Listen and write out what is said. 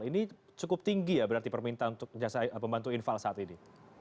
ini cukup tinggi ya berarti permintaan untuk jasa pembantu infal saat ini